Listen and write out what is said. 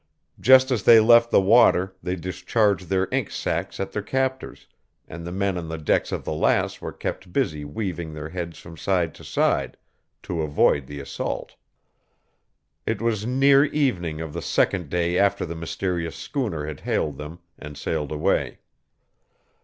Just as they left the water they discharged their ink sacs at their captors, and the men on the decks of the Lass were kept busy weaving their heads from side to side, to avoid the assault. It was near evening of the second day after the mysterious schooner had hailed them and sailed away.